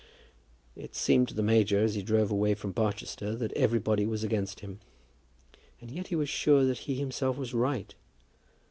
"] It seemed to the major as he drove away from Barchester that everybody was against him; and yet he was sure that he himself was right.